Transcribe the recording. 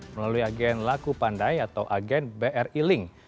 melalui agen laku pandai atau agen bri link